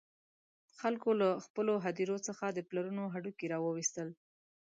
خلکو له خپلو هدیرو څخه د پلرونو هډوکي را وویستل.